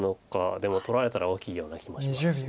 でも取られたら大きいような気もしますし。